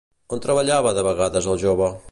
On treballava de vegades el jove?